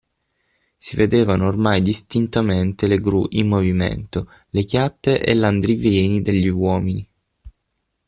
Si vedevano ormai distintamente le gru in movimento, le chiatte e l'andirivieni degli uomini.